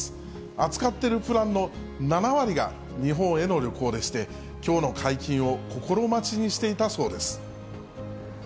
扱っているプランの７割が、日本への旅行でして、きょうの解禁を心待ちにしていたそうです。